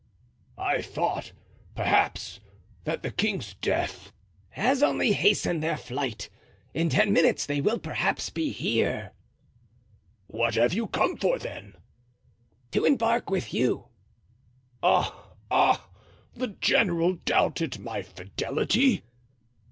"I thought, perhaps, that the king's death——" "Has only hastened their flight; in ten minutes they will perhaps be here." "What have you come for, then?" "To embark with you." "Ah! ah! the general doubted my fidelity?"